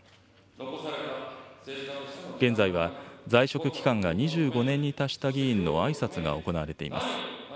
現在は、在職期間が２５年に達した議員のあいさつが行われています。